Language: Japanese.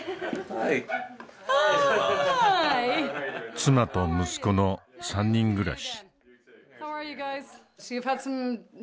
妻と息子の３人暮らし。